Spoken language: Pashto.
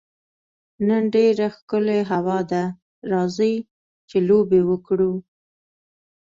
نن ډېره ښکلې هوا ده، راځئ چي لوبي وکړو.